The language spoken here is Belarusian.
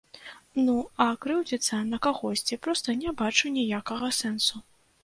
Ну а крыўдзіцца на кагосьці проста не бачу ніякага сэнсу.